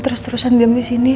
terus terusan diam disini